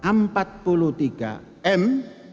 jumlah yang kita dapatkan dari aliran uang